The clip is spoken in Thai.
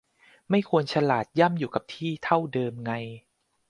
ไม่ควรฉลาดย่ำอยู่กับที่เท่าเดิมไง